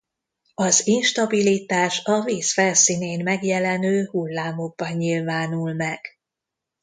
Az instabilitás a víz felszínén megjelenő hullámokban nyilvánul meg.